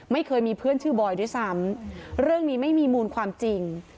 ไม่เคยมีเพื่อนชื่อบอยด้วยซ้ำเรื่องนี้ไม่มีมูลความจริง